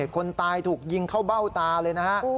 คนตายถูกยิงเข้าเบ้าตาเลยนะฮะ